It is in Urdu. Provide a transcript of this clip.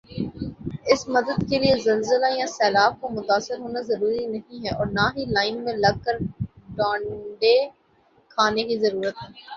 اس مدد کیلئے زلزلہ یا سیلاب کا متاثر ہونا ضروری نہیں ھے اور نہ ہی لائن میں لگ کر ڈانڈے کھانے کی ضرورت ھے